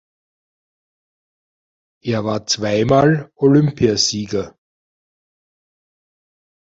Er war zweimal Olympiasieger.